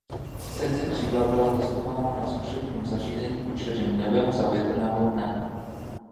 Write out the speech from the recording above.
Sekce křídla byla testována na zkušebním zařízení pod širým nebem za větrného dne.